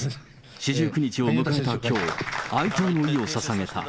四十九日を迎えたきょう、哀悼の意をささげた。